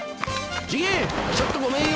次元ちょっとごめんよ！